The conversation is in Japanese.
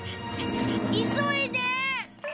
急いで！